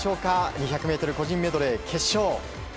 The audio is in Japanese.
２００ｍ個人メドレー決勝。